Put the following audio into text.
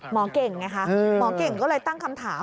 เก่งไงคะหมอเก่งก็เลยตั้งคำถาม